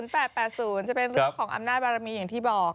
จะเป็นเรื่องของอำนาจบารมีอย่างที่บอก